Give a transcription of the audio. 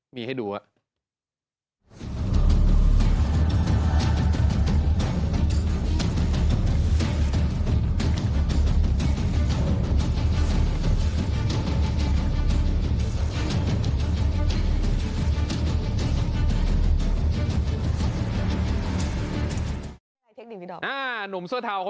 มีให้ดูอะ